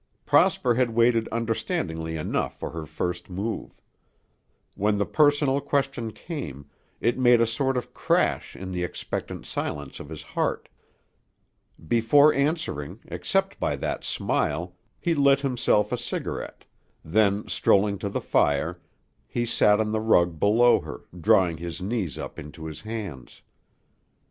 Prosper had waited understandingly enough for her first move. When the personal question came, it made a sort of crash in the expectant silence of his heart. Before answering, except by that smile, he lit himself a cigarette; then, strolling to the fire, he sat on the rug below her, drawing his knees up into his hands.